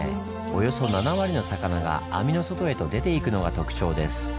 およそ７割の魚が網の外へと出ていくのが特徴です。